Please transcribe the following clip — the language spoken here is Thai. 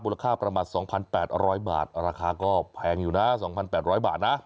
ค่าประมาณ๒๘๐๐บาทราคาก็แพงอยู่นะ๒๘๐๐บาทนะ